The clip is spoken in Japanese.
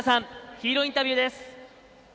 ヒーローインタビューです。